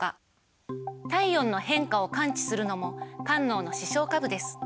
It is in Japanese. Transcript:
体温の変化を感知するのも間脳の視床下部です。